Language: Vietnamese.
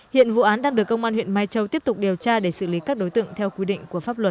hiện vụ án đang được công an huyện mai châu tiếp tục điều tra để xử lý các đối tượng theo quy định của pháp luật